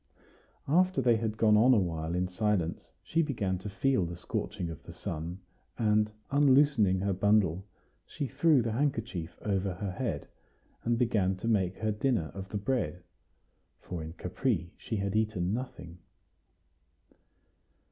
After they had gone on a while in silence, she began to feel the scorching of the sun; and, unloosening her bundle, she threw the handkerchief over her head, and began to make her dinner of the bread; for in Capri she had eaten nothing.